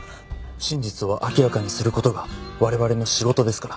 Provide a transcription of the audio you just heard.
真実を明らかにする事が我々の仕事ですから。